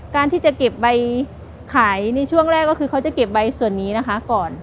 การที่จะเก็บใบขายในช่วงแรกก็คือเขาจะเก็บใบส่วนนี้นะคะก่อน